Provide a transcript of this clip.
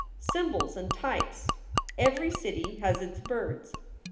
Symbols and types. Every city has its birds.